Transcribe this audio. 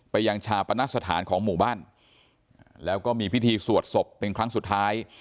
ยังชาปนสถานของหมู่บ้านแล้วก็มีพิธีสวดศพเป็นครั้งสุดท้าย